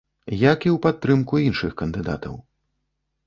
Як і ў падтрымку іншых кандыдатаў.